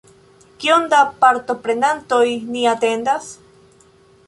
Kion da partoprenantoj ni atendas?